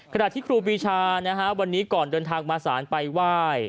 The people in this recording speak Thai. ขณะที่ครูปีชานะฮะวันนี้ก่อนเดินทางมาสารไปไหว้